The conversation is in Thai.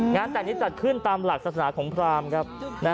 งานแต่งนี้จัดขึ้นตามหลักศาสนาของพรามครับ